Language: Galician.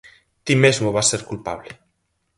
Ti mesmo vas ser culpable.